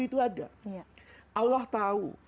itu ada allah tahu